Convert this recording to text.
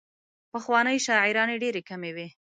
پخوانۍ شاعرانې ډېرې کمې وې.